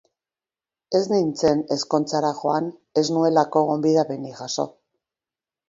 Ez nintzen ezkontzara joan ez nuelako gonbidapenik jaso.